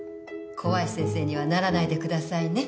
怖い先生にはならないでくださいね。